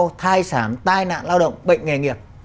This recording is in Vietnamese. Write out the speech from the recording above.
bao gồm thai sản tai nạn lao động bệnh nghề nghiệp